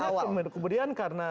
iya tapi kemudian karena